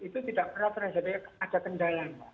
tidak pernah ternyata ada kendala